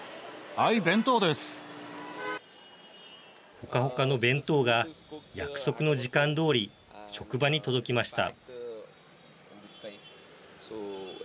ほかほかの弁当が約束の時間どおり職場に届きました。